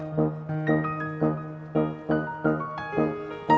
sama temen gue kenapa